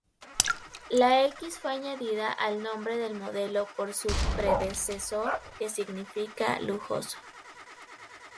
La "X" fue añadida al nombre del modelo por su predecesor que significa "lujoso".